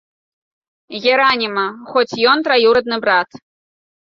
Гераніма, хоць ён траюрадны брат!